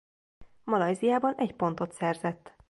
Malajziában egy pontot szerzett.